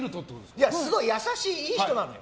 すごい優しいいい人なのよ。